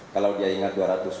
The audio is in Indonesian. kalau dia ingat dua ratus dua ratus